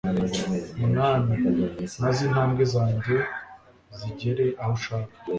mwami, maze intambwe zanjye zigere aho ushaka